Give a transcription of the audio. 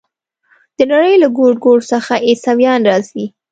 د نړۍ له ګوټ ګوټ څخه عیسویان راځي.